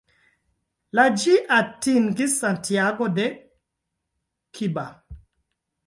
La ĝi atingis Santiago de Cuba.